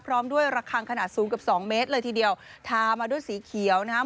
พร้อมด้วยระคังขนาดสูงเกือบสองเมตรเลยทีเดียวทามาด้วยสีเขียวนะครับ